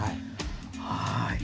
はい。